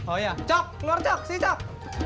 oh iya cok keluar cok sini cok